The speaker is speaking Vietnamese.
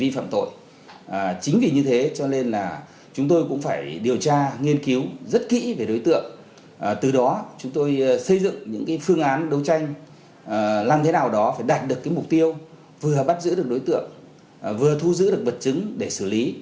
phương án đấu tranh làm thế nào đó phải đạt được mục tiêu vừa bắt giữ được đối tượng vừa thu giữ được vật chứng để xử lý